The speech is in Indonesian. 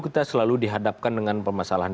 kita selalu dihadapkan dengan permasalahan